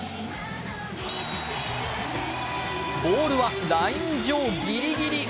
ボールはライン上ギリギリ。